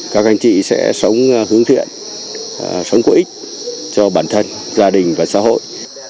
các anh chị sẽ sống hướng thiện sống có ích cho bản thân gia đình và xã hội